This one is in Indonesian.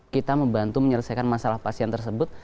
kita membantu menyelesaikan masalah pasien tersebut